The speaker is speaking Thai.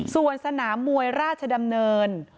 ส่วนสนามมวยราชดำเนิน